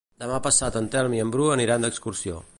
Demà passat en Telm i en Bru aniran d'excursió.